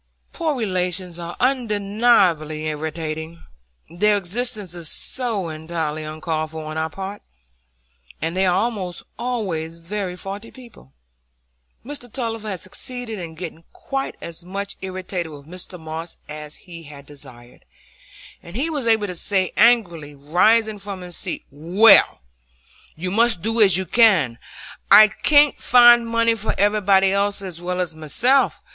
Poor relations are undeniably irritating,—their existence is so entirely uncalled for on our part, and they are almost always very faulty people. Mr Tulliver had succeeded in getting quite as much irritated with Mr Moss as he had desired, and he was able to say angrily, rising from his seat,— "Well, you must do as you can. I can't find money for everybody else as well as myself.